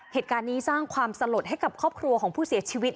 เหตุการณ์นี้สร้างความสลดให้กับครอบครัวของผู้เสียชีวิต